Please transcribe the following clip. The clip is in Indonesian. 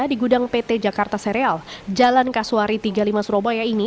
di gudang pt jakarta sereal jalan kasuari tiga puluh lima surabaya ini